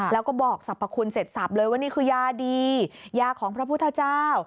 แล้วก็บอกสรรพคุณเสร็จสับเลยว่านี่คือยาดียาของพระพุทธเจ้า